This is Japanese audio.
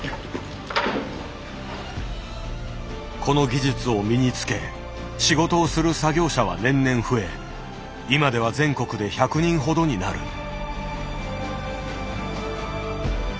この技術を身につけ仕事をする作業者は年々増え今では全国で１００人ほどになる。